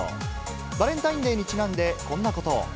バレンタインデーにちなんで、こんなことを。